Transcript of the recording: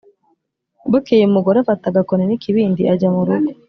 bukeye umugore afata agakoni n' ikibindi ajya murugo